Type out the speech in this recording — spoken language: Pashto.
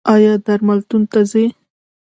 ایا درملتون ته ځئ؟